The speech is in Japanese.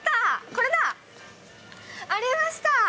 これだ。ありました。